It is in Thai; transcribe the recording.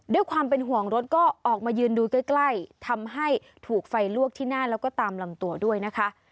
ด้วยความเป็นห่วงรถก็ออกมายืนดูใกล้ทำให้ถูกไฟลวกที่หน้าแล้วก็ตามลำตัวด้วยนะคะ